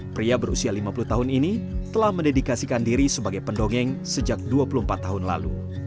pria berusia lima puluh tahun ini telah mendedikasikan diri sebagai pendongeng sejak dua puluh empat tahun lalu